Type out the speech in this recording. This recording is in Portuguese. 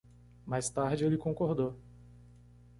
Mais tarde ele concordou